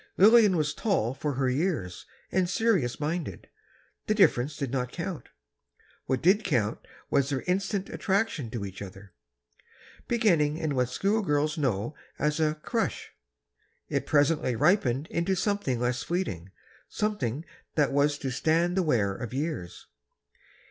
Lillian was tall for her years, and serious minded—the difference did not count. What did count was their instant attraction to each other. Beginning in what school girls know as a "crush," it presently ripened into something less fleeting, something that was to stand the wear of years.